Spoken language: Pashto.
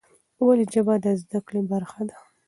ولې ژبه د زده کړې برخه ده؟